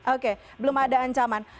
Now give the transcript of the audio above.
oke belum ada ancaman